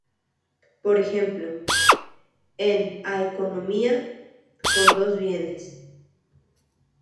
Por ejemplo, en a economía con dos bienes.